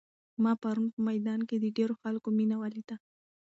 ما پرون په میدان کې د ډېرو خلکو مینه ولیده.